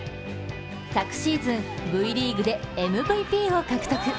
昨シーズン、ＶリーグでＭＶＰを獲得。